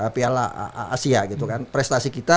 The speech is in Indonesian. piala asia gitu kan prestasi kita